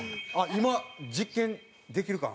今実験できるかな？